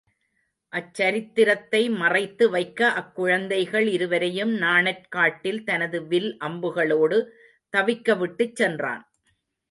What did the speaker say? அச்சரித்திரத்தை மறைத்து வைக்க அக்குழந்தைகள் இருவரையும் நாணற் காட்டில் தனது வில் அம்புகளோடு தவிக்க விட்டுச் சென்றான்.